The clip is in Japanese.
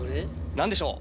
何でしょう？